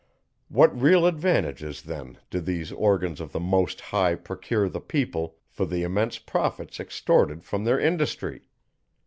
What real advantages then do these organs of the Most High procure the people, for the immense profits extorted from their industry?